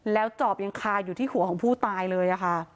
แล้วจอบยังคาอยู่ที่หัวของผู้ตายเลยค่ะ